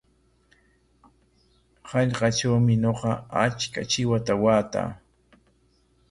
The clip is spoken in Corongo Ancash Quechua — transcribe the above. Hallqatrawmi ñuqa achka chiwata waataa.